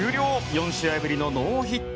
４試合ぶりのノーヒット。